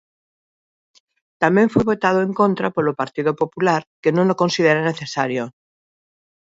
Tamén foi votado en contra polo Partido Popular, que non o considera necesario.